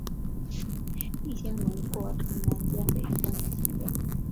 地形轮廓呈南尖北宽之形状。